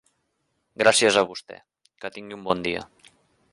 Gràcies a vostè, que tingui bon dia.